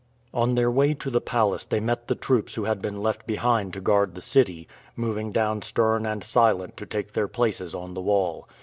On their way to the palace they met the troops who had been left behind to guard the city, moving down stern and silent to take their places on the wall.